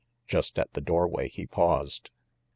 Just at the doorway he paused.